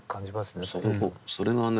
それがね